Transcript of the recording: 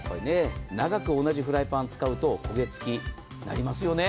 長く同じフライパン使うと、焦げつきなりますよね。